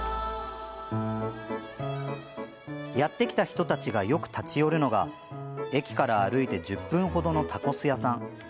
やって来た人たちがよく立ち寄るのが駅から歩いて１０分程のタコス屋さん。